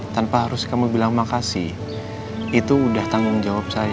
tanpa harus kamu bilang makasih itu udah tanggung jawab saya